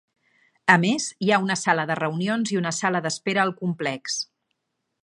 A més, hi ha una sala de reunions i una sala d'espera al complex.